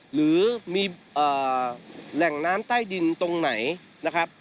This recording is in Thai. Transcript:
หรือมีแหล่งน้ำใต้ดินตรงไหนนะครับ